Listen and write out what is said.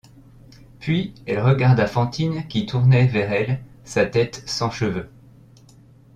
Puis elle regarda Fantine qui tournait vers elle sa tête sans cheveux.